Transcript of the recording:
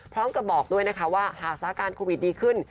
พร้อมกับบอกด้วยนะคะว่าหากสถาการณ์โควิดดีขึ้น